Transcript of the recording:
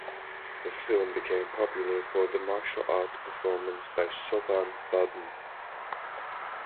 The film became popular for the martial arts performance by Sobhan Babu.